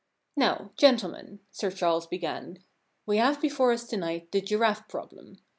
* Now, gentlemen,* Sir Charles began, * we have before us to night the Giraffe Problem.